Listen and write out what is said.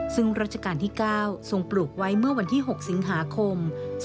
ซึ่งรัชกาลที่๙ทรงปลูกไว้เมื่อวันที่๖สิงหาคม๒๕๖๒